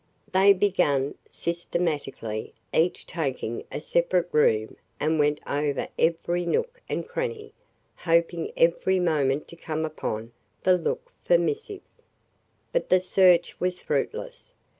They began systematically, each taking a separate room and went over every nook and cranny, hoping every moment to come upon the looked for missive. But the search was fruitless.